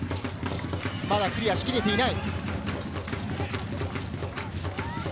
クリアしきれていない。